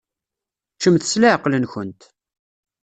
Ččemt s leɛqel-nkent.